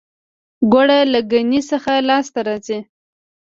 ګوړه له ګني څخه لاسته راځي